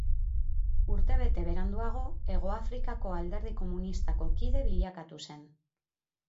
Urtebete beranduago, Hegoafrikako Alderdi Komunistako kide bilakatu zen.